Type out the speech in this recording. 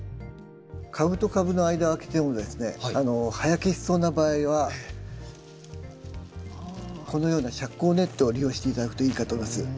株と株の間を空けてもですね葉焼けしそうな場合はこのような遮光ネットを利用して頂くといいかと思います。